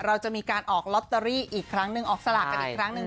เราจะมีการออกลอตเตอรี่อีกครั้งหนึ่งออกสลากกันอีกครั้งหนึ่ง